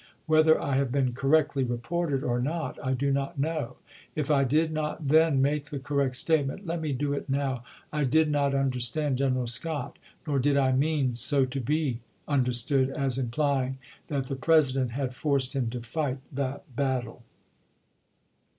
Whether I have been correctly reported or not I do not know. If I did not then make the correct statement, let me do it now. I did not ^Gioue," understand General Scott, nor did I mean so to Auli^^m, be understood, as implying that the President had ^^' m.^^ forced him to fight that battle."